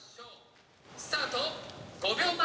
スタート５秒前。